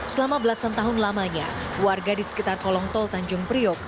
selama belasan tahun lamanya warga di sekitar kolong tol tanjung priok